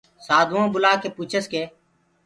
سآڌوآئوٚنٚ بُلآڪي پوٚڇس۔ ڪي